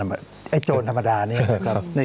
ไอ้โจรธรรมดานี้นะครับ